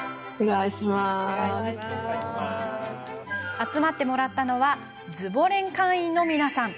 集まってもらったのはズボ連会員の皆さん。